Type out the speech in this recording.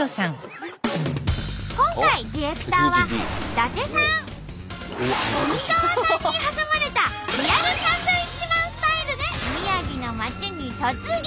今回ディレクターは伊達さん富澤さんに挟まれたリアル・サンドウィッチマンスタイルで宮城の町に突撃！